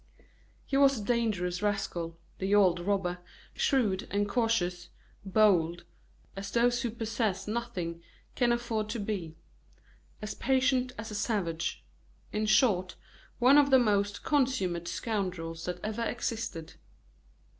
He was a dangerous rascal, the old robber, shrewd and cautious; bold, as those who possess nothing can afford to be; as patient as a savage; in short, one of the most consummate scoundrels that ever existed.